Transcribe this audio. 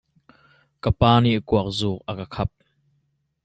Ka pa nih kuak zuk a ka khap.